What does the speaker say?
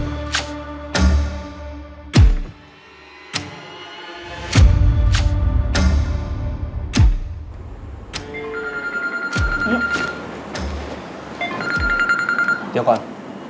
เดี๋ยวก่อน